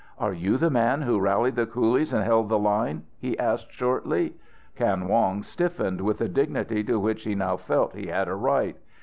"Are you the man who rallied the coolies and held the line?" he asked shortly. Kan Wong stiffened with a dignity to which he now felt he had a right.